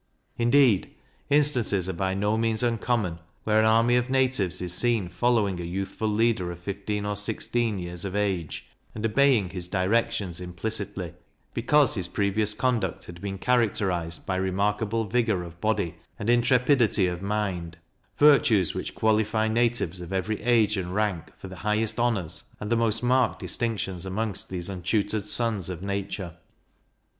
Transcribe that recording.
Indeed, instances are by no means uncommon, where an army of natives is seen following a youthful leader of fifteen or sixteen years of age, and obeying his directions implicitly, because his previous conduct had been characterized by remarkable vigour of body, and intrepidity of mind virtues which qualify natives of every age and rank for the highest honours and the most marked distinctions amongst these untutored sons of nature.